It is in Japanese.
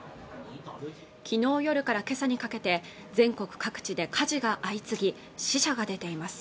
昨日夜から今朝にかけて全国各地で火事が相次ぎ死者が出ています